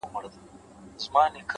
هوډ د شکونو دروازه تړي’